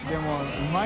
うまい。